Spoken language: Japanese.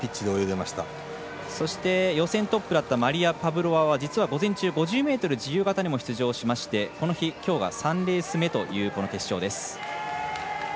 そして、予選トップだったマリヤ・パブロワは午前中５０ｍ自由形にも出場しましてこの日、きょうが３レース目となる決勝です。